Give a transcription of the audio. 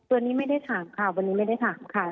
วันนี้ไม่ได้ถามค่ะวันนี้ไม่ได้ถามค่ะ